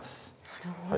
なるほど。